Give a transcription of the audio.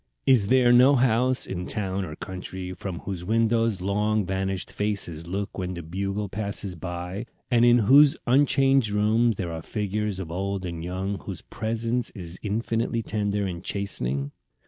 Is there no house in town or country from whose windows long vanished faces look when the Bugle passes by, and in whose unchanged rooms there are figures of old and young whose presence is infinitely tender and chastening?